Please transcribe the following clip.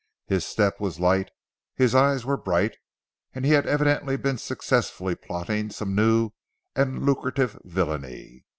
His step was light, his eyes were bright, and he had evidently been successfully plotting some new and lucrative villainy.